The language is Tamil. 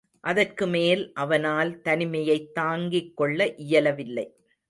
அதற்குமேல் அவனால் தனிமையைத் தாங்கிக் கொள்ள இயலவில்லை.